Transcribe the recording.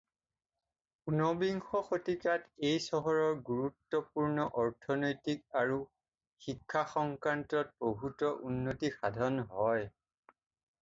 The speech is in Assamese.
ঊনবিংশ শতাব্দীত এই চহৰৰ গুৰুত্বপূৰ্ণ অৰ্থনৈতিক আৰু শিক্ষাসংক্ৰান্তত প্ৰভূত উন্নতি সাধন হয়।